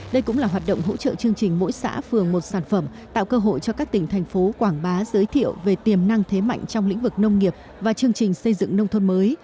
đây cũng là hoạt động hỗ trợ chương trình mỗi xã phường một sản phẩm tạo cơ hội cho các tỉnh thành phố quảng bá giới thiệu về tiềm năng thế mạnh trong lĩnh vực nông nghiệp và chương trình xây dựng nông thôn mới